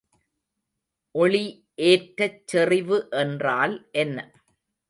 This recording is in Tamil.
ஒளி ஏற்றச் செறிவு என்றால் என்ன?